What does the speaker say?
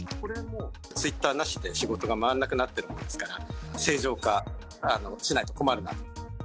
ツイッターなしでは、仕事が回らなくなっているもんですから、正常化しないと困るなと。